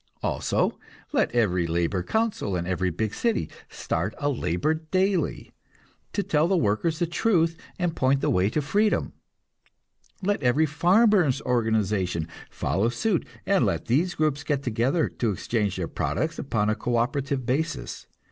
Also, let every labor council in every big city start a labor daily, to tell the workers the truth and point the way to freedom. Let every farmers' organization follow suit; and let these groups get together, to exchange their products upon a co operative basis.